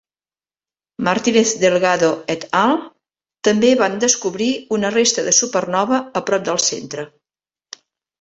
Martínez-Delgado et al. també van descobrir una resta de supernova a prop del centre.